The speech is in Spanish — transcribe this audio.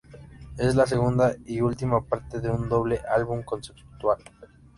Es la segunda y última parte de un doble álbum conceptual.